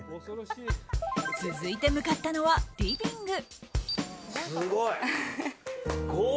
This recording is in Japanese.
続いて向かったのは、リビング。